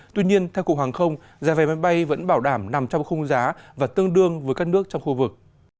tuy nhiên theo cục hàng không giá vé máy bay vẫn bảo đảm nằm trong khung giá và tương đương với các nước trong khu vực